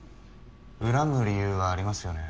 恨む理由はありますよね？